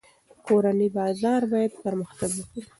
کورني بازار باید پرمختګ وکړي.